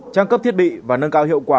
trang cấp thiết bị và nâng cao hiệu quả